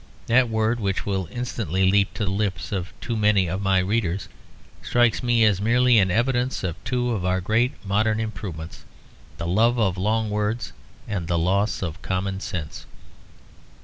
That word, which will instantly leap to the lips of too many of my readers, strikes me as merely an evidence of two of our great modern improvements; the love of long words and the loss of common sense.